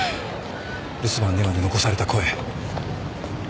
留守番電話に残された声。